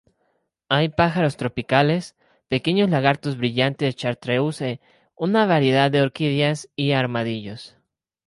Hay Pájaros tropicales, pequeños lagartos brillantes chartreuse, una variedad de orquídeas, y armadillos.